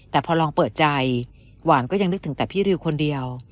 แต่พอลองเปิดใจหวานก็ยังนึกถึงแต่พี่ริวคนเดียว